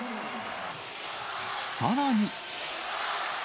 さらに。